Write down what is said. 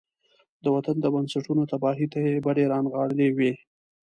د وطن د بنسټونو تباهۍ ته يې بډې را نغاړلې وي.